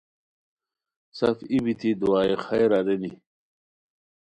سف ای بیتی دعائے خیر ارینی